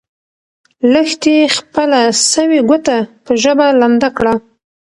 لښتې خپله سوې ګوته په ژبه لنده کړه.